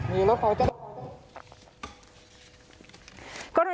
มีรถของจะได้